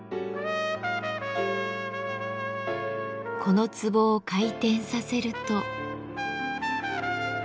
この壺を回転させると。